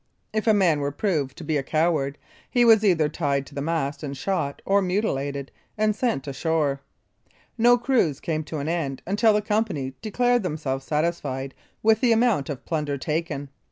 If a man were proved to be a coward he was either tied to the mast, and shot, or mutilated, and sent ashore. No cruise came to an end until the company declared themselves satisfied with the amount of plunder taken.